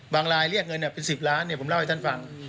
รายเรียกเงินเป็น๑๐ล้านผมเล่าให้ท่านฟัง